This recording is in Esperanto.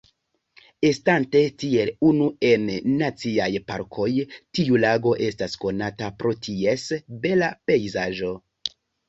Estante tiel unu en naciaj parkoj, tiu lago estas konata pro ties bela pejzaĝo.